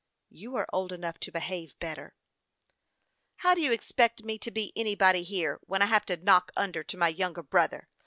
" You are old enough to behave better." " How do you expect me to be anybody here, when I have to knock under to my younger brother